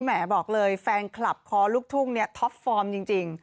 แหมบอกเลยแฟนคลับคอลูกทุ่งเนี่ยท็อปฟอร์มจริง